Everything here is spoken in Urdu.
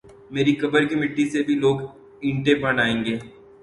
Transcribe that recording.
میری قبر کی مٹی سے بھی لوگ اینٹیں بنائی گے ۔